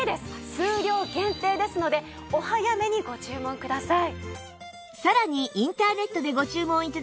数量限定ですのでお早めにご注文ください。